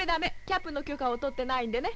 キャップの許可を取ってないんでね。